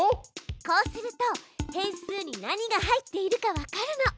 こうすると変数に何が入っているかわかるの。